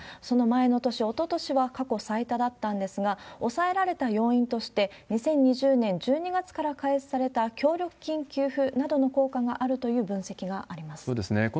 その前の年、おととしは過去最多だったんですが、抑えられた要因として、２０２０年１２月から開始された協力金給付などの効果があるといそうですね。